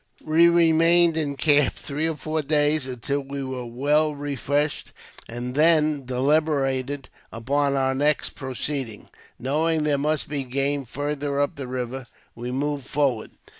We remained in camp three or four days, until we were well' refreshed, and then deliberated upon our next proceeding Knowing there must be game farther up the river, we moved forward.